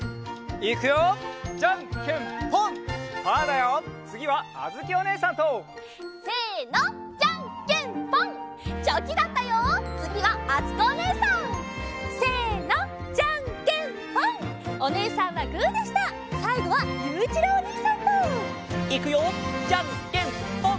いくよじゃんけんぽん！